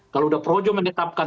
kalau udah projo menetapkan